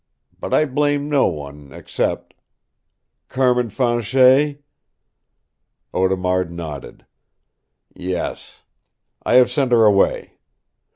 But I blame no one, except " "Carmin Fanchet?" Audemard nodded. "Yes. I have sent her away.